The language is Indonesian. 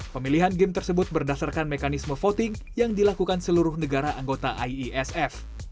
pemilihan game tersebut berdasarkan mekanisme voting yang dilakukan seluruh negara anggota iesf